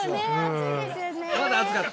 まだ熱かった？